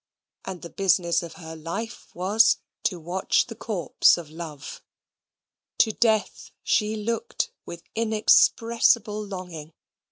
And the business of her life, was to watch the corpse of Love. To death she looked with inexpressible longing.